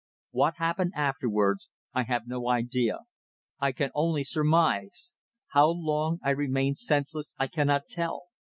What happened afterwards I have no idea. I can only surmise. How long I remained senseless I cannot tell.